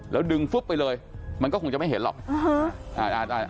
แล้วดึงฟึ๊บไปเลยมันก็คงจะไม่เห็นหรอก